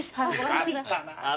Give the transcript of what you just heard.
あったなあ。